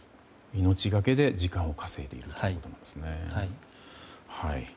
命がけで時間を稼いでいるということですね。